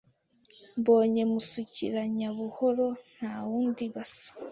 Mbonye Musukiranyabuhoro nta wundi basa